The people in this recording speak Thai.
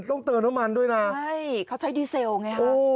ต้องเติมน้ำมันด้วยนะใช่เขาใช้ดีเซลไงฮะ